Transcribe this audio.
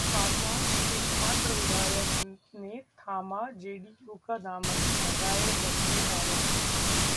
पासवान के एकमात्र विधायक ने थामा जेडीयू का दामन, लगाए गंभीर आरोप